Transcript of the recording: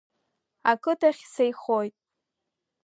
Ақыҭахь сеихоит.